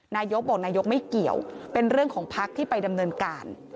นายกบอกนายกไม่เกี่ยวเป็นเรื่องของพักที่ไปดำเนินการ